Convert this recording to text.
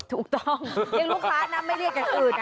ถูกต้องเรียกลูกค้านะไม่เรียกกันอื่นนะ